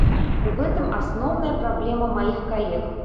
У гэтым асноўная праблема маіх калег.